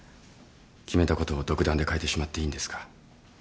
決めたことを独断で変えてしまっていいんですか？